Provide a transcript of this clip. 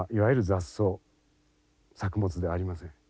作物ではありません。